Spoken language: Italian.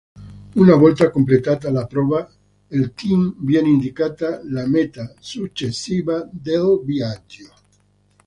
Una volta completata la prova, al team viene indicata la meta successiva del viaggio.